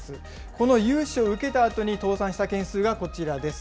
この融資を受けたあとに倒産した件数がこちらです。